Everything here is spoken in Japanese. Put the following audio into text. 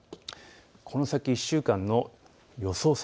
この先１週間の予想